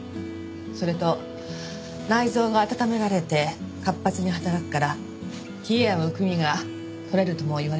それと内臓が温められて活発に働くから冷えやむくみが取れるとも言われてるのよ。